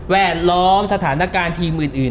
ล้อมสถานการณ์ทีมอื่น